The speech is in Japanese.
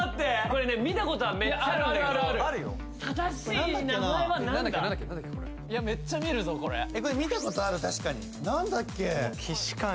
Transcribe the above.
これいやメッチャ見るぞこれこれ見たことある確かに・何だっけ